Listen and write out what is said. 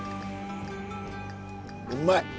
うまい！